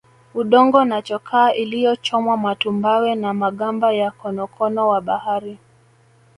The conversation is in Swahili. Udongo na chokaa iliyochomwa matumbawe na magamba ya konokono wa bahari